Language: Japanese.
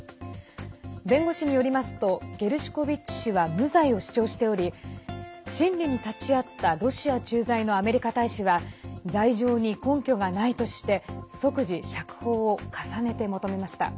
弁護士によりますとゲルシュコビッチ氏は無罪を主張しており審理に立ち会ったロシア駐在のアメリカ大使は罪状に根拠がないとして即時釈放を重ねて求めました。